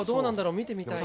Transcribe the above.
見てみたいね。